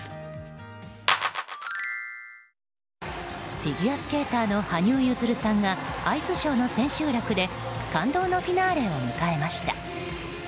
フィギュアスケーターの羽生結弦さんがアイスショーの千秋楽で感動のフィナーレを迎えました。